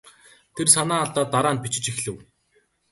Тэр санаа алдаад дараа нь бичиж эхлэв.